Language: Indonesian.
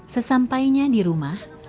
sesampainya di rumah